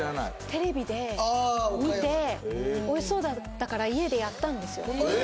テレビで見ておいしそうだったから家でやったんですよ